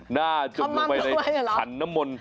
หน้าจงลงไปในคันนมล